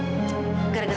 mari pak saya antar